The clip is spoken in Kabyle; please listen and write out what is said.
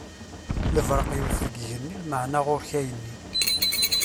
Lebṛaq yewwet-d deg igenni lmeɛna ɣuṛ-k ayenni!